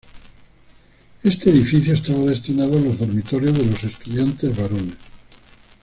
Este edificio estaba destinado a los dormitorios de los estudiantes varones.